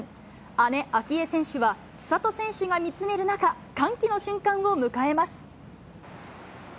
姉、明愛選手は、千怜選手が見つめる中、歓喜の瞬間を迎えます。